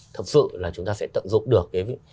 thật sự là chúng ta sẽ tận dụng được